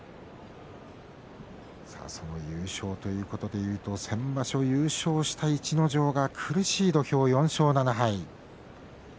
その優勝ということでいうと先場所、優勝した逸ノ城が苦しい土俵で４勝７敗。